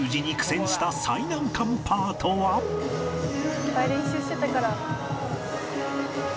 「いっぱい練習してたから」